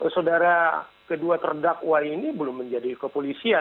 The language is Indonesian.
saudara kedua terdakwa ini belum menjadi kepolisian